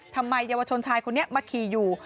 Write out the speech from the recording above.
ทำไมเยาวชนชายคนนี้มาขี่อยู่